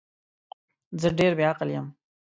زه ډیر بی عقل یم